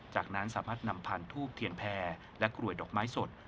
จากนั้นสามารถนำภารพศูนย์ภูมิเทียนแพงและกล่วยดอกไม้สด